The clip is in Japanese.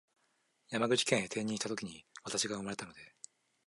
山口県へ転任したときに私が生まれたので